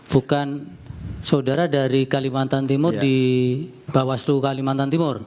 bukan saudara dari kalimantan timur di bawaslu kalimantan timur